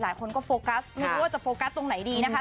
หลายคนก็โฟกัสไม่รู้ว่าจะโฟกัสตรงไหนดีนะคะ